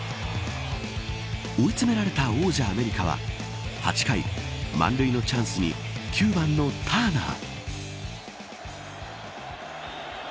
追い詰められた王者アメリカは８回、満塁のチャンスに９番のターナー。